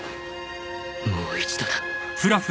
もう一度だ